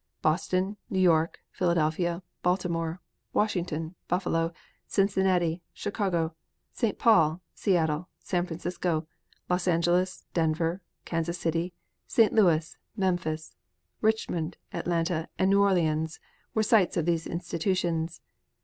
Boston, New York, Philadelphia, Baltimore, Washington, Buffalo, Cincinnati, Chicago, St. Paul, Seattle, San Francisco, Los Angeles, Denver, Kansas City, St. Louis, Memphis, Richmond, Atlanta and New Orleans were sites of these institutions.